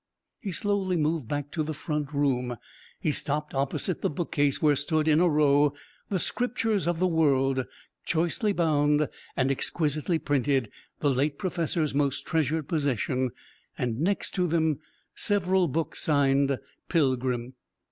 He slowly moved back to the front room. He stopped opposite the bookcase where stood in a row the "Scriptures of the World," choicely bound and exquisitely printed, the late professor's most treasured possession, and next to them several books signed "Pilgrim."